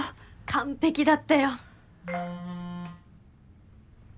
完璧だったよ。